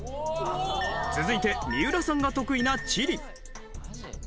続いて三浦さんが得意な地理。